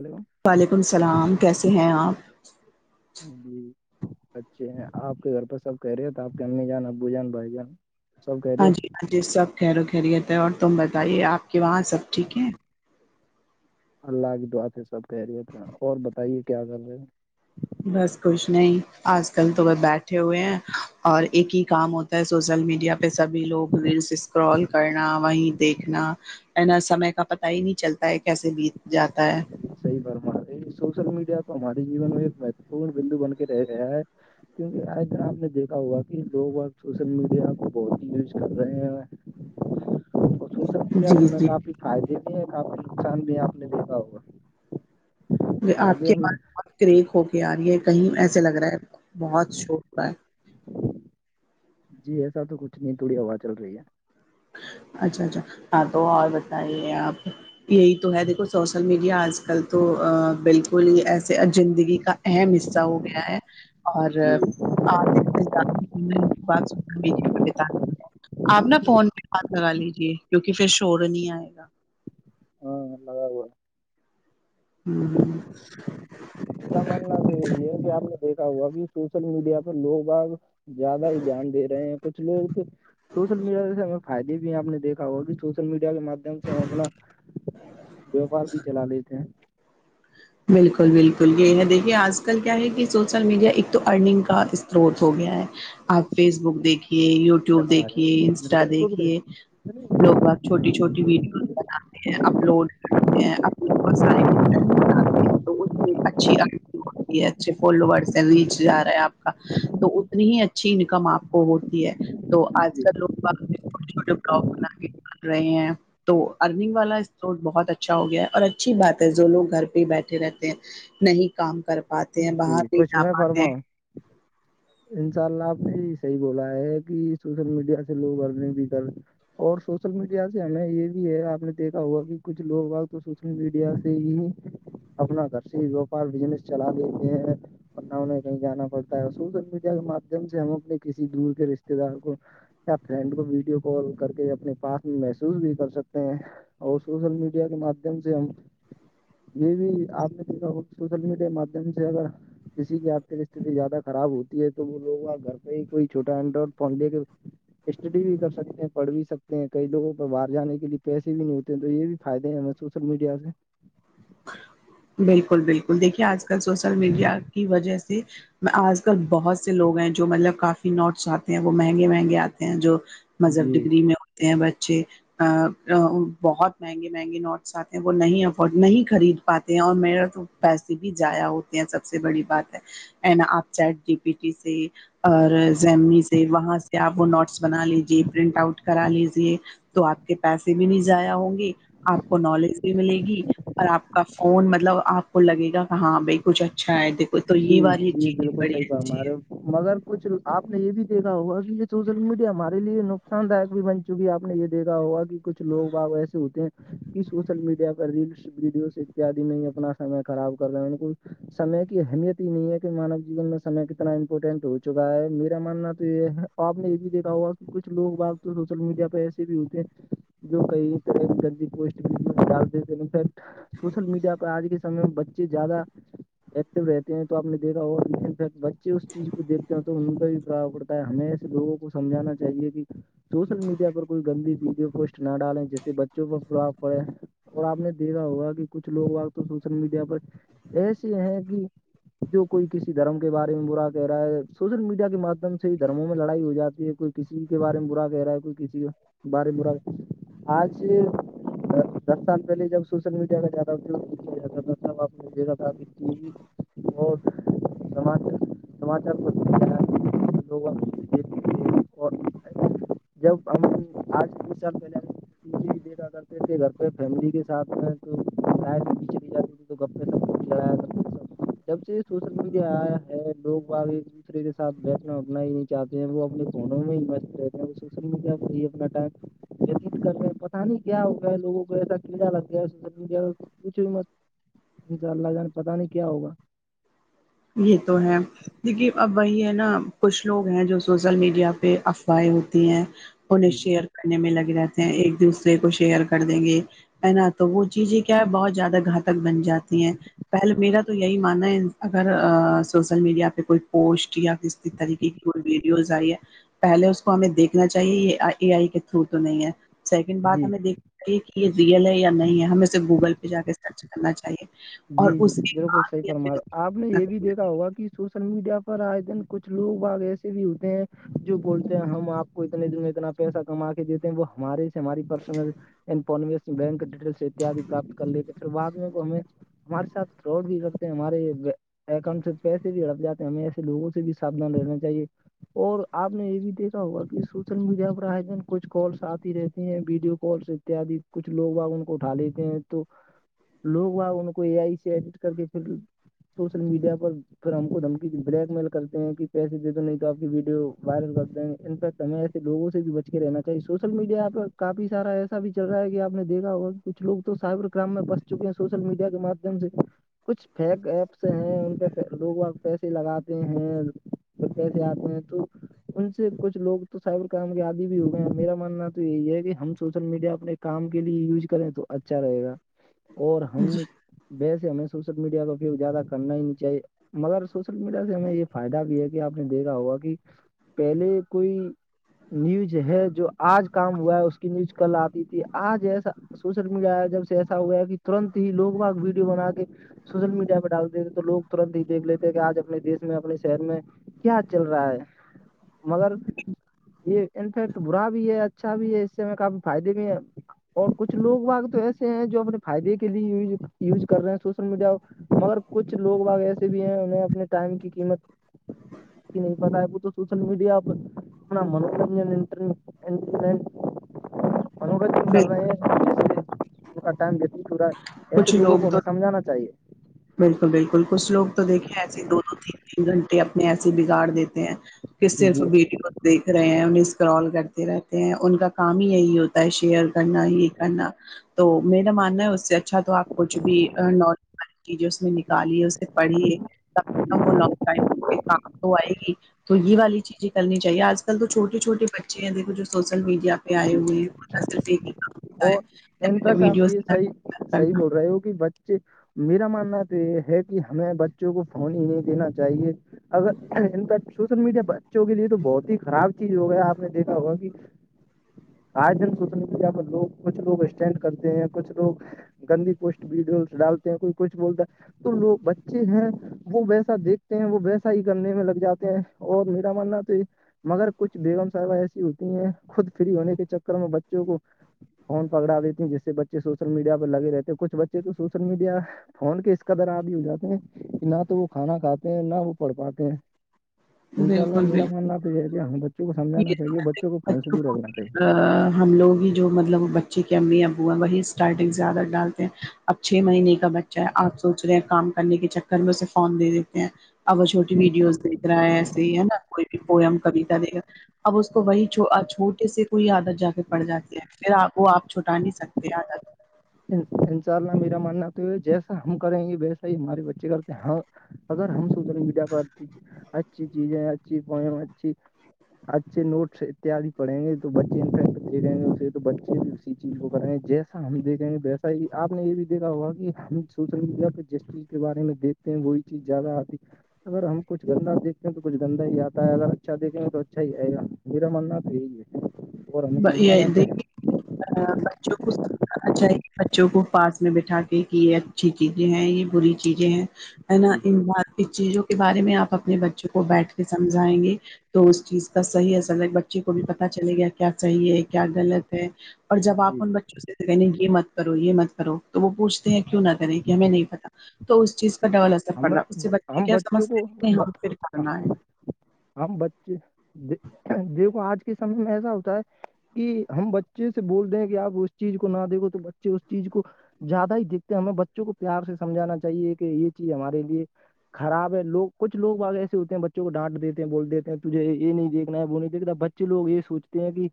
وعلیکم [unintelligible] ج جی اچھے ہیں آپ کے گھر پہ سب کہہ رہے ہیں تو آپ کے امی جان ابو جان بھائی جان سب ہاں خیریت جی ہاں جی سب خیر و خیریت ہے اور تم بتائیے آپ کے وہاں سب ٹھیک ہیں اللہ کی دعا سے سب کہہ رہیے تھا اور بتائیے کیا کر رہے ہیں بس کچھ نہیں آج کل تو ب بیٹھے ہوئے ہیں اور ایک ہی کام ہوتا ہے سوشل میڈیا پہ سبھی لوگ ریلس اسکرال کرنا وہیں دیکھنا ہے نا سمے کا پتا ہی نہیں چلتا ہے کیسے بیت جاتا ہے صحی ب ہمے یہ سوشل میڈیا تو ہمارے جیون میں ایک مہتوپورن بندو بن کے رہ رہا ہے کیوںکہ آ دھر آپ نے دیکھا ہوا کہ لوگ اب سوشل میڈیا کو بہت ہی یوز کر رہے ہیں اچ سوشل میڈیا جی جی کافی فائدے بھی ہیں کافی نقصان بھی ہے آپ نے دیکھا ہوگا آپ فائدے کے ہم پاس بہت کریک ہو کے یار یہ کہیں ایسے لگ رہا ہے بہت شور ہو رہا ہے جی ایسا تو کچھ نہیں تھوڑی ہوا چل رہی ہے اچھا اچھا ہاں تو اور بتائیے آپ یہی تو ہے دیکھو سوشل میڈیا آج کل تو بالکل ہی ایسا سے زندگی کا اہم حصہ ہو گیا ہے ہے اور جی آتے [unintelligible] ات میڈیا ب آپ ن فون ہاتھ لگا لیجے کیونکہ پھر شور نہیں آئے گا ہاں اللہ [unintelligible] گ با ہوں ہوں ماننا تو یہی ہے کہ آپ نے دیکھا ہوا کہ سوشل میڈیا پہ لوگ آگ زیادہ ہی دھیان دے رہے ہیں کچھ لوگ تھ سوشل میڈیا ج سے ہمیں فائدے بھی آپ نے دیکا ہوا کہ سوشل میڈیا کے م ایک دم سے ہم اپنا ووپار بھی چلا لیتے ہیں بالکل بالکل یہ ہے دیکھیے آج کل کیا ہے کہ سو سول میڈیا ایک تو ارننگ کا سروت ہو گیا ہے آپ فیس بک دیکھیے یوٹیوب دیکھیے انسٹا دیکھیے لوگ باقی چھوٹی چھوٹی ویڈیوز بناتے ہیں اپلوڈ کرتے ہیں اپنی مس ٹائم بناتے [unintelligible] تو اچھی ہے اچھے فالوورس لییچ جا رہا ہے آپ کا تو اتنی ہی اچھی انکم آپ کو ہوتی ہے تو آج کل لوگ ب چھوٹے چھوٹے بلاگ بنا کے بال رہے ہیں [unintelligible] تو ارنگ والا اسٹروٹ بہت اچھا ہو گیا اور اچھی بات ہے جو لوگ گھر پہ بیٹھے رہتے ہیں نہیں کام کر پاتے ہیں باہر جی نہیں کچھ جا میں پاتے ہیں [unintelligible] انشاء اللہ آپ نے صحیح بولا ہے کہ سوشل میڈیا سے لوگ انے بھی کر اور سوشل میڈیا سے ہمیں یہ بھی ہے آپ نے دیکھا ہوا کہ کچھ لوگ آ تو سوشل میڈیا سے ہی اپنا گھر سے وپار بزنس چلا دیتے ہیں پ نہ نہیں کہیں جانا پڑتا ہے اور سوشل میڈیا کے ماددھیم سے ہم اپنے کسی دور کے رشتے دار کو کیا فرینڈ کو ویڈیو کال کر کے اپنے پاس میں محسوس بھی کر سکتے ہیں اور سوشل میڈیا کے مادھیم سے ہم یہ بھی آپ نے دیکھا سوشل میڈیا کے مادھیم سے اگر کسی کی آرتک است زیادہ خراب ہوتی ہے تو وہ لوگپ گھر پہ ہی کوئی چھوا اڈرائڈ فون لے کے اسٹڈی بھی کر سکتے ہیں پڑھ بھی سکتے ہیں کئی لوگوں پہ باہر جانے کے لیے پیسے بھی نہیں ہوتے ہیں تو یہ بھی فائدے ہیں محسوس سوشل میڈیا سے بالکل بالکل دیکھیے آج کل سوشل میڈیا کی وجہ سے آج کل بہت سے لوگ ہیں جو مطلب کافی نوٹس آتے ہیں وہ مہنگے مہنگے آتے ہیں جو مذہب جی ڈگری میں ہوتے ہیں بچے بہت مہنگے مہنگے نوٹس آتے ہیں وہ نہیں افورڈ نہیں خرید پاتے ہیں اور میرا تو پیسے بھی جضائع ہوتے ہیں سب سے بڑی بات ہے ا آپ چٹ جی پی ٹی سے اور زیمی سے وہاں سے آپ وہ نوٹس بنا لیجے پرنٹ آؤٹ کرا لیجے تو آپ کے پیسے بھی نہیں جضایا ہوں گے آپ کو نالج بھی ملے گی اور آپ کو کا فون مطلب آپ کو لگے گا کہ ہاں بھائی کچھ اچھا ہے دیکھو تو یہ بار یہ چیز بڑی اچھی ہمار ہے مگر کچھ آپ نے یہ بھی دیکھا ہوگا کہ یہ سوشل میڈیا ہمارے لیے نقصان داک بھی بن چونکہ آپ نے یہ دیکا ہوگا کہ کچھ لوگ آپ ایسے ہوتے ہیں کہ سوشل میڈیا پر ریلس ویڈیوز اتد میں اپنا سمے خراب کر رہے ان سمے کے کی اہمیت ہی نہیں ہے کہ مانو جین میں سمے کتنا امپورٹینٹ ہو چکا ہے میرا ماننا تو یہ ہے آپ نے یہ بھی دیکھا ہوا کہ کچھ لوگ با تو سوشل میڈیا پہ ایسے بھی ہوتے ہیں جو کہئی جلی پٹف سوشل میڈیا پہ آج کے سمے میں بچے زیادہ رہتے ہیں تو آپ دیکھا ہوگاٹ بچے اس چیز کو دیکھتے ہیں تو ان کا ببڈا بڈ ہمیں ایسے لوگوں کو سمجھانا چاہیے کہ سوشل میڈیا پر کوئی گندی ویڈیو پوسٹ نہ ڈالیں جیسے بچوں پر پرراغ پڑے اور آپ نے دیکھا ہوگا کہ کچھ لوگ آق تو سوشل میڈیا پر ایسے ہیں کہ جو کوئی کسی دھرم کے بارے میں برا کہہ رہا ہے سوشل میڈیا کے مادھیم سے ہی دھرموں میں لڑائی ہو جاتی ہے کوئی کسی کے بارے میں برا کہہ رہا ہے کوئی کسی بارے میں برا آج دس سال پہلے جب سوشل میڈیا پ جاتا بب آپ ہے جی اور سماچر سماچار کو ہے لوگ دتے ہیں اور ج ہم آج دو سال پل دیکھا کرتے تھے گھر پہ فیملی کے ساتھ تو م بھی پیچ چے کی جاتی تھی تو گپے سپ ک جب سے سوشل میڈیا آیا ہے لوگ آگئے دوسرے کے ساتھ بیٹھنا اٹھنا ہی نہیں چاہتے ہیں وہ اپنے فونوں میں م رہتے وہ سوشل میڈیا پر ہی اپنا ٹائم وتیت کرنے پتا نہیں کیا ہو گیا ہے لوگوں کو ایسا کیڑا لگ گیا ہے ز کچھ م انشاء اللہ جان پتا نہیں کیا ہوا یہ تو ہے دیکھی اب وہی ہے نا کچھ لوگ ہیں جو سوسل میڈیا پہ افواہیں ہوتی ہیں انہیں جی شیئر کرنے میں لگے رہتے ہیں ایک دوسرے کو شیئر کر دیں گے ہے نا تو وہ چیزیں کیا ہے بہت زیادہ گھاتک بن جاتی ہیں پہلے میرا تو یہی ماننا ہے اگر سوشل میڈیا پہ کوئی پوسٹ یا کسی طریقے کی کوئی یوز آ رہئی ہے پہلے اس کو ہمیں دیکھنا چاہیے یہ اے آئی کے تھرو تو نہیں ہے سیکنڈ بعد جی ہمیں دیکھ کہ یہ ریئل ہے یا نہیں ہے ہمیںے گوگل پہ جا کے چ کرنا چاہیے اور اس کے بعد یا پھر آ نے یہ بھی دیکھا ہوگا کہ سوشل میڈیا پر آئے دن کچھ لوگ بگ ایسے بھی ہوتے ہیں جو بولتے ہیں ہم آپ کو اتنے اتنا پیسہ کما کے دیتے ہیں وہ ہمارے ہماری پرسنل بک ڈٹیل اتد پراپت کر لیتے پھر بعد کو ہمیں ہمارے ساتھ کروڈ بھی کرتے ہیں ہمارے اکانٹ سے پیسے بھی ہڑک جاتے ہیں ہمیں ایسے لووں سے بھی ساھان لینا چاہیے اور آپ نے یہ بھی دیکھا ہوگا کہ سوشل میڈیا پر آئے جن کچھ کالس آتی رہتی ہیں ویڈیو کالس اتد کچھ لوگ و ان کو اٹھا لیتے ہیں تو لوگ و ان کو کو اے آئی سے ایڈٹ کر کے پھر سوشل میڈیا پر پھر ہم کو دمکی بلیک میل کرتے ہیں کہ پیسے د دو نہیں تو آپ کی ویڈیو وائرل کرتے ہیں انفیکٹ ہمیں ایسے لوگوں سے بھی بچ کے رہنا چاہیے سوشل میڈیا پ کافی سارا ایسا بھی چل رہا ہے کہ آپ نے دھا ہوگا کچھ لوگ تو سائبر کرائم میں بس چکے ہیں سوشل میڈیا کے مادھیم سے کچھ فیک ایپس ہیں ان پہ لوگ وگ پیسے لگاتے ہیں تو پہ دے آتے ہیں تو ان سے کچھوگ تو سائبر کرائم کے آدی بھی ہو گئے ہیں میرا ماننا تو یہی ہے کہ ہم سوشل میڈیا اپنے کام کے لیے یوز کریں تو اچھا رہے گا اور ہم ویسے ہمیں سوشل میڈیا کو کی زیادہ کرنا ہی نہیں چاہیے مگر سوشل میڈیا سے ہمیں یہ فائدہ بھی ہے کہ آپ نے دیکھا ہوگا کہ پہلے کوئی نیوز ہے جو آج کام ہوا ہے اس کی نیوز کل آتی تھی آج ایسا سوشل میڈیا جب سے ایسا ہوا ہے کہ ترنت ہی لوگ باگ ویڈیو بنا کے سوشل میڈیا پہ ڈالتے تھے تو لوگ ترنت ہی دیکھ لیتے ہیں کہ آج اپنے دیش میں اپنے شہر میں کیا چل رہا ہے مگر یہ انفیکٹ برا بھی ہے اچھا بھی ہے اس سے ہم کافی فائدے بھی ہے اور کچھ لوگ واگ تو ایسے ہیں جو اپنے فائدے کے لیے یوز کر رہے ہیں سوشل میڈیا مگر کچھ لوگ باگ ایسے بھی ہیں انہیں اپنے ٹائم کی قیمت کہ نہیں پتا ہےب تو سوشل میڈیا پر اپنا منورنجن انٹرنی ال [unintelligible] انور دن کر رہے بالکل ہیں جس سے ان کا ٹائم دیتی تھورا [unintelligible] ایس کچھ لووں لوگ کو تو ہمیں سمجانا چاہیے بالکل بالکل کچھوگ تو دھیں ایسے دو دو تین تین گھنٹے اپنے ایسے بگاڑ دیتے ہیں کس دن سے جی بیٹی پ دیکھ رہے ہیں انہیں اسکرال کرتے رہتے ہیں ان کا کام ہی یہی ہوتا ہے شیئر کرنا یہ کرنا تو میرا ماننا ہے اس سے اچھا تو آپ کچھ بھی کییے اس میں نکالیے اسے پڑھیے ک وہ لانگ ٹائم کام آئے گی تو یہ والی چیزیں کرنی چاہیے آج کل تو چھوٹے چھوے بچے ہیں دیکو جو سوسل میڈیا پہ آئے ہوئے جی ہیں ہوتا اور ان ہے پیک آپ ویڈیوز یہ صحیح کرنا صحیح بول رہے ہو کہ بچے میرا ماننا تو یہ ہے کہ ہمیں بچوں کو فون ہی نہیں دینا چاہیے اگر ان کا سوشل میڈیا بچوں کے لیے تو بہت ہی خراب چیز ہو گیا آپ نے دیکھا ہوگا کہ آج دن سوچ رہ یہاں پ لوگ کچھ لوگ اسٹینڈ کرتے ہیں کچھ لوگ [unintelligible] گندی پوسٹ ویڈیس ڈالتے ہیں کوئی کچھ بولتا ہے تو لوگ بچے ہیں وہ ویسا دیکھتے ہیں وہ ویسا ہی کرنے میں لگ جاتے ہیں اور میرا ماننا تو یہ مگر کچھ بیگم صاحب ایسی ہوتی ہیں خود فری ہونے کے چکر میں بچوں کو فون پکڑا دیتی جس سے بچے سوشل میڈیا پر لگے رہتے ہیں کچھ بچے تو سوشل میڈیا فون کے اس کا در آ بھی ہو جاتے ہیں کہ نہ تو وہ کھانا کھاتے ہیں نہ وہ پڑھ پاتے ہیں انشاء اللہ بالکل، میرا بالکل، ماننا تو یہ ہے کہ ہمیں بچوں کو یہ سمجھا تو چاہیے ہے کہ بچوں کو پھین سے دور کو بھی رکھنا چاہیے ہم لوگ ہی جو مطلب بچے کے امی ابو ہیں وہی اسٹارٹنگ سے زیادہ ڈالتے ہیں اب چھ مہینے کا بچہ ہے آپ سوچ رہے ہیں کام کرنے کے چکر میں اسے فارون دے دیتے ہیں ا چھوٹی ویڈیوز دیکھ رہا ہے ایس ہی ہے نا کوئی بھی پوئم کیتا دیکھ اب اس کو وہی چھوٹے سے کوئی عادت جا کے پڑ جاتی ہے پھر وہ آپ چھٹا نہیں سکتے آد ان شاء اللہ میرا ماننا تو ہے جیسا ہم کریں گے ویسا ہی ہمارے بچے کرتے ہیں ہاں ہد ہم سب تو مڈا پ آ جی ج آ ب آ [unintelligible] اچھے نوٹس اتیادی پڑھیں گے تو بچے انفیکٹ دے رہیں گے اسے [unintelligible] تو بچے بھی اسی چیز کو کریں گے جیس ہم دیکھیں گے ویسا ہی آپ نے یہ بھی دیکھا ہوگا کہ ہم سوشل میڈیا پہ جس چیز کے بارے میں دیکھ وہی چیز زیادہ آتی [unintelligible] اگر ہم کچھ گندا دیکھتے ہیں تو کچھ گندا ہی آتا ہے اگر اچھا دیکیں گے تو اچھا ہی آئے گا [unintelligible] میر منات ہ ہے اور ہمیں یہ سمجھانا چاہیے دیکے بچوں کو [unintelligible] اھا بچوں کو پاس میں بیٹھا کے کہ یہ اچھی چیزیں ہیں یہ بری چیزیں ہیں ہے نا جی ان ان چیزوں کے بارے میں آپ اپنے بچوں کو بیٹھ کے سمجھ آئیں گے تو اس چیز کا صحیح اثر ہے بچے کو بھی پتا چلے گیا کیا صحی ہے کیا غلط ہے اور جب آپ جی بچوں سے کہ یہ مت کرو یہ مت کرو تو وہ پوچھتے ہیں کیوں نہ کریں کہ ہمیں نہیں پتا تو اس چیز کو ڈبل اثر پڑ ہم رہا ہے اس سے بچے ہم کیا بچوں کو سمجتا ہے کہ ہم پھر کرنا ہے ہم بچے دیکھو آج کے سمے میں ایسا ہوتا ہے کہ ہم بچے سے بولتے ہیں کہ آپ اس چیز کو نہ دےھو تو بچے اس چیز کو زیادہ ہی دیکھتے ہیں ہمیں بچوں کو پیار سے سمجھانا چاہیے کہ یہ چیز ہمارے لیے خراب ہے لوگ کچ لوگ آگ ایسے ہوتے ہیں بچوں کو ڈانٹ دیتے ہیں بول دیتے ہیں تجے یہ نہیں دیکھنا ہے وہ نہیں دیکھتا ب کچے لوگ یہ سوچتے ہیں کہ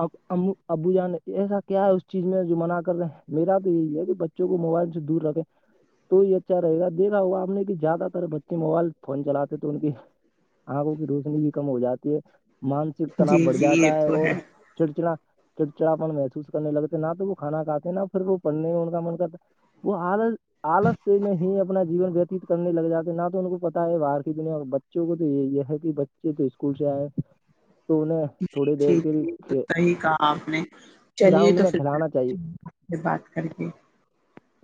اب ا ابو جان ایسا کیا ہے اس چیز میں جو منع کر رہے ہیں میرا تو یہی ہے کہ بچ ب کو موبائل سے دور رکھے تو یہ اچھا رہےا دیکھا ہوا آپ نے کہ زیادہ تر بچے موبائل فون چلے تھے ان کی آنکھوں کی روشنی بھی کم ہو جاتی ہے مانسک تناؤ جی بڑھ جی یہ جاتا ہے تو اور چڑچڑا چڑچڑاپن محسوس کرنے لگتے نہ تو وہ کھانا کاتے ہیں نہ پھر وہ پڑنے ان کا من کرتا وہ آالس آالس سے میں ہی اب نا جیون وتیت کرنے لگ جاتے ہیں نہ تو ان کو پتا ہے باہر کی دنیا میں بچوں کو تو یہ ہے کہ بچے تو اسکول سے آئے تو تھوڑی جٹی دیر کے تو لیے صی کہا آپ نے چلیے گراؤنڈ تو میں پھر کھلانا چاہیے سے بات کر کے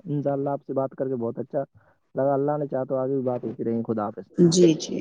انشاء اللہ آپ سے بات کر کے بہت اچھا لگر اللہ نے چاہ تو آگے بھی بات ات رہی خدا پ سے جی جی